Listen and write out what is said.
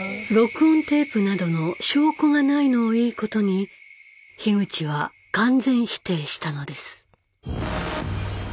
録音テープなどの証拠がないのをいいことに樋口は完全否定したのです。